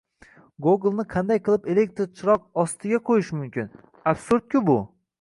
Gogolni qanday qilib elektr chiroq ostiga qoʻyish mumkin?! Absurd-ku bu!